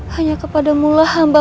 hanya kepadamulah hamba